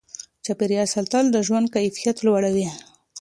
چاپیریال ساتل د ژوند کیفیت لوړوي.